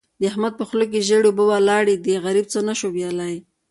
د احمد په خوله کې ژېړې اوبه ولاړې دي؛ غريب څه نه شي ويلای.